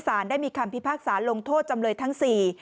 สารได้มีคำพิพากษาลงโทษจำเลยทั้งสี่